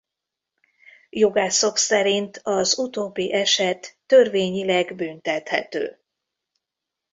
Jogászok szerint az utóbbi eset törvényileg büntethető.